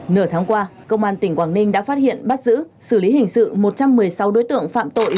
nửa tháng qua công an tỉnh quảng ninh đã phát hiện bắt giữ xử lý hình sự một trăm một mươi sáu đối tượng phạm tội